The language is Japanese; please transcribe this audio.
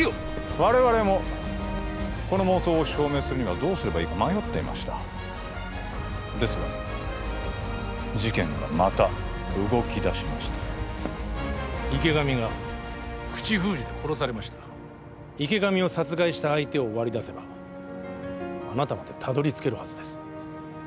我々もこの妄想を証明するにはどうすればいいか迷っていましたですが事件がまた動きだしました池上が口封じで殺されました池上を殺害した相手を割り出せばあなたまでたどり着けるはずです